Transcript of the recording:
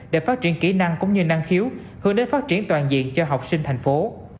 để phát triển kỹ năng cũng như năng khiếu hướng đến phát triển toàn diện cho học sinh thành phố